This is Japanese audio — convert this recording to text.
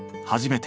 はい。